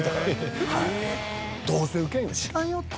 「どうせウケんよ知らんよ」と。